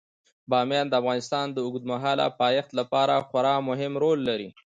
بامیان د افغانستان د اوږدمهاله پایښت لپاره خورا مهم رول لري.